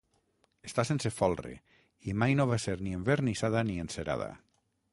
Està sense folre, i mai no va ser ni envernissada ni encerada.